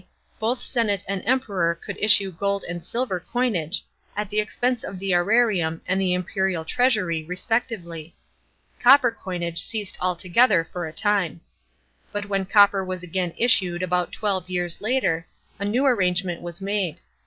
both senate and Emperor could issue gold and silver coinage, at the expense of the serarium and the imperial treasury respectively. Copper coinage ceased altogether for a time. But when copper was again issued about twelve years later, a new arrangement was made.